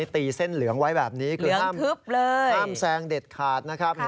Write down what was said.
ตีเส้นเหลืองไว้แบบนี้คือห้ามแซงเด็ดขาดนะครับ